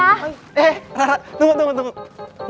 eh rara tunggu tunggu tunggu